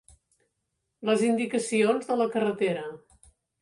Les indicacions de la carretera.